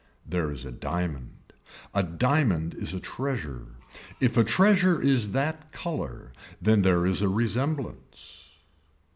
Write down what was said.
There is a diamond. A diamond is a treasure. If a treasure is that color then there is a resemblance.